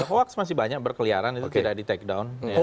hoax masih banyak berkeliaran itu tidak di take down